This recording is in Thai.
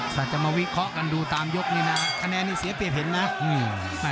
ถ้าจะมาวิเคราะห์กันดูตามยกนี้นะคะแนนนี่เสียเปรียบเห็นนะอืม